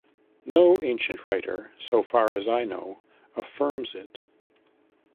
No ancient writer, so far as I know, affirms it.